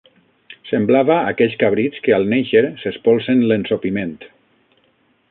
Semblava aquells cabrits que al néixer s'espolsen l'ensopiment